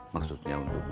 maksudnya dia udah beritahu